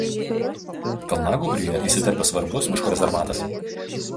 Kalnagūbryje įsiterpęs svarbus miško rezervatas.